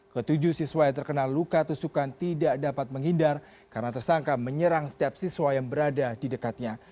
ketujuh siswa yang terkena luka tusukan tidak dapat menghindar karena tersangka menyerang setiap siswa yang berada di dekatnya